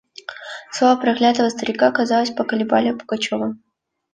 Слова проклятого старика, казалось, поколебали Пугачева.